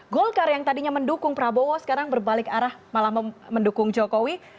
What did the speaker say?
golkar yang tadinya mendukung prabowo sekarang berbalik arah malah mendukung jokowi